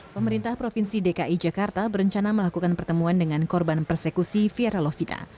pemerintah provinsi dki jakarta berencana melakukan pertemuan dengan korban persekusi fiera lovita